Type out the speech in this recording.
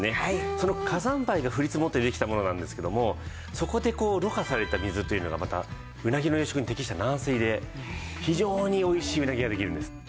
その火山灰が降り積もってできたものなんですけどもそこでろ過された水というのがまたうなぎの養殖に適した軟水で非常においしいうなぎができるんです。